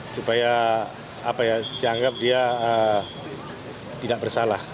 supaya dianggap dia tidak bersalah